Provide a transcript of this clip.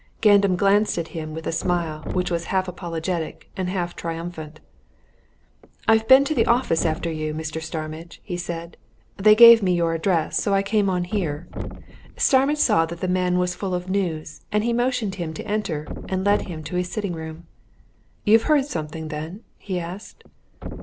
Gandam glanced at him with a smile which was half apologetic and half triumphant. "I've been to the office after you, Mr. Starmidge," he said. "They gave me your address, so I came on here." Starmidge saw that the man was full of news, and he motioned him to enter and led him to his sitting room. "You've heard something, then?" he asked.